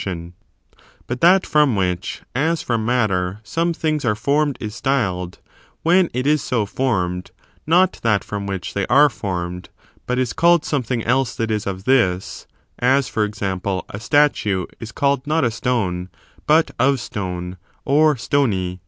A miscon But that from which, as from matter, some mSrtit^arijie* things are formed is styled, when it is so formed, from this dog not that from which they are formed, but is ms obviated. ^^^^ something else that is of this ; as, for example, a statue is called not a stone, but of stone or stony.